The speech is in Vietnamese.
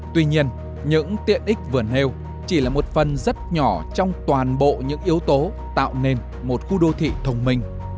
tuy nhiên những tiện ích vườn heo chỉ là một phần rất nhỏ trong toàn bộ những yếu tố tạo nên một khu đô thị thông minh